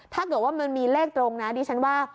ถ้าเกิดว่ามันมีเลขตรงนะดิฉันว่า